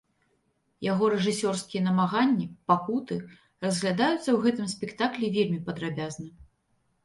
Яго рэжысёрскія намаганні, пакуты разглядаюцца ў гэтым спектаклі вельмі падрабязна.